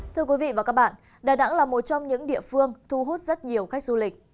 thưa quý vị và các bạn đà nẵng là một trong những địa phương thu hút rất nhiều khách du lịch